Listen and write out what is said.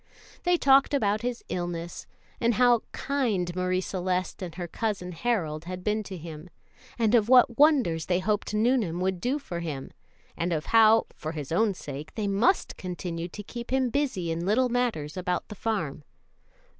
They talked about his illness, and of how kind Marie Celeste and her Cousin Harold had been to him, and of what wonders they hoped Nuneham would do for him, and of how, for his own sake, they must continue to keep him busy in little matters about the farm.